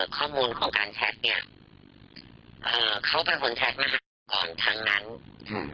ข้อมูลของการแท็กเนี้ยเอ่อเขาเป็นคนแท็กมากก่อนทั้งนั้นอืม